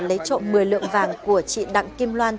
lấy trộm một mươi lượng vàng của chị đặng kim loan